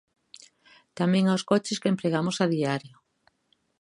Tamén aos coches que empregamos a diario.